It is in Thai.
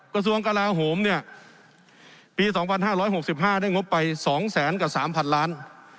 กระทรวงกระลาโหมเนี้ยปีสองพันห้าร้อยหกสิบห้าได้งบไปสองแสนกับสามพันล้าน